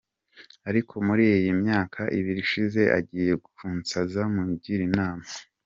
ariko muri iyi myaka ibiri ishize agiye kunsaza mungire inama .